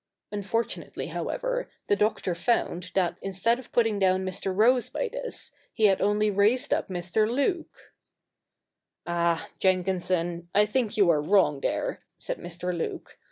Unfortunately, however, the Doctor found that, instead of putting down Mr. Rose by this, he had only raised up Mr. Luke, 'Ah, Jenkinson, I think you are wrong there,' said Mr. Luke.